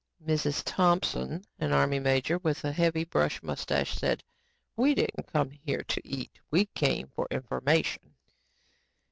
"Mrs. Thompson," an Army major with a heavy brush mustache said, "we didn't come here to eat. We came for information."